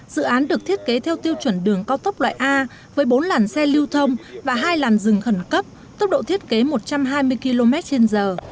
dự án được thiết kế theo tiêu chuẩn đường cao tốc loại a với bốn làn xe lưu thông và hai làn rừng khẩn cấp tốc độ thiết kế một trăm hai mươi km trên giờ